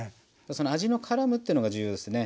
味のからむっていうのが重要ですね。